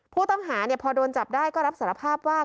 ผู้ต้องหาพอโดนจับได้ก็รับสารภาพว่า